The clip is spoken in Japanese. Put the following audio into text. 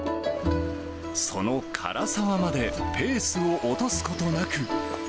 その涸沢までペースを落とすことなく。